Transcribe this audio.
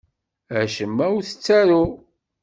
Acemma ur t-ttaruɣ.